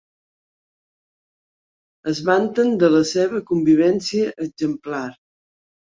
Es vanten de la seva convivència exemplar.